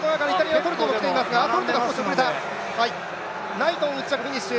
ナイトン１着フィニッシュ。